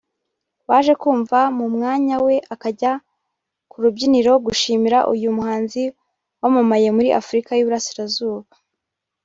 waje kuva mu mwanya we akajya ku rubyiniriro gushimira uyu muhanzi wamamaye muri Afurika y’i Burasirazuba